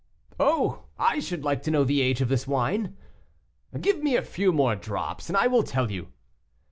"Oh! I should like to know the age of this wine." "Give me a few drops more, and I will tell you."